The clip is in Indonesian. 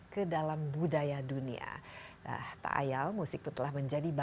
musik pun terbukti mampu mempromosikan integrasi sebuah bangsa